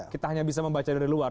kita hanya bisa membaca dari luar